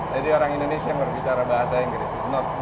jadi orang indonesia yang berbicara bahasa inggris